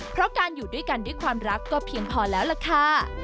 เพราะการอยู่ด้วยกันด้วยความรักก็เพียงพอแล้วล่ะค่ะ